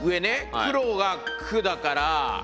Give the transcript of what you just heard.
黒が「く」だから。